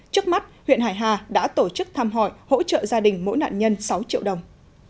trước mắt huyện hải hà đã tổ chức thăm hỏi hỗ trợ gia đình mỗi nạn nhân sáu triệu đồng